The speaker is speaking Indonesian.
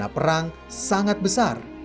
dana perang sangat besar